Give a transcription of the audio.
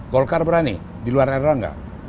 golkar berani di luar erlangga